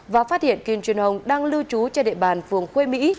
và phát hiện kim trinh hồng đang lưu trú trên địa bàn phường khuê mỹ